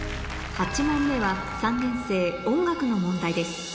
８問目は３年生音楽の問題です